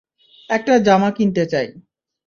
একটা জামা কিনতে চাই।